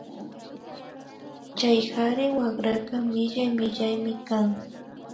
Chay kari wakraka millay millaymi kan